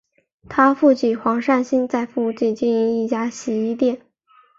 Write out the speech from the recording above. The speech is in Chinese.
她父亲黄善兴在附近经营一家洗衣店。